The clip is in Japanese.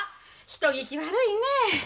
人聞き悪いねえ。